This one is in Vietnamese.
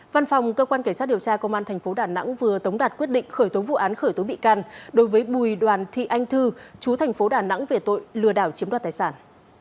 văn phòng cơ quan cảnh sát điều tra công an tp đà nẵng vừa tống đạt quyết định khởi tố vụ án khởi tố bị can đối với bùi đoàn thị anh thư chú thành phố đà nẵng về tội lừa đảo chiếm đoạt tài sản